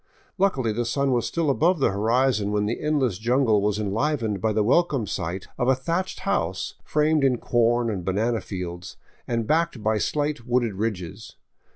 Luckily, the sun was still above the horizon when the endless jungle was enlivened by the welcome sight of a thatched house framed in corn and banana fields and backed by slight wooded ridges.